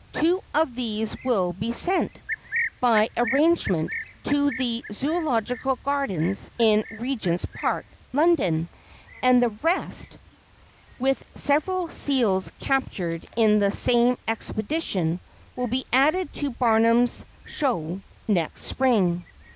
Two of these will be sent, by arrangement, to the Zoölogical Gardens, in Regent's Park, London, and the rest, with several seals captured in the same expedition, will be added to Barnum's show next spring.